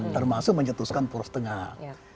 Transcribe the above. termasuk mencetuskan purwostengah